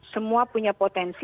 semua punya potensi